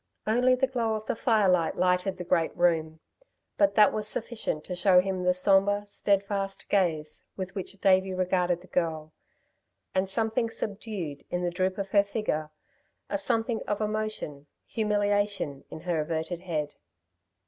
Only the glow of the firelight lighted the great room; but that was sufficient to show him the sombre, steadfast gaze with which Davey regarded the girl, and something subdued in the droop of her figure, a something of emotion, humiliation in her averted head.